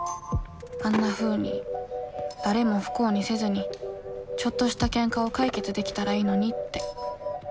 あんなふうに誰も不幸にせずにちょっとしたケンカを解決できたらいいのにって。